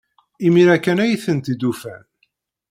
Imir-a kan ay tent-id-ufan.